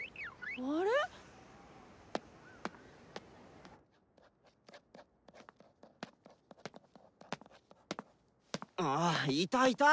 あれ⁉あっいたいた！